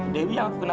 dewi yang aku kenal